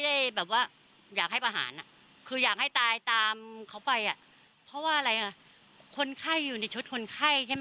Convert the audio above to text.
เป็นประการที่ว่า๒เรื่อง๒ปีไปแล้ว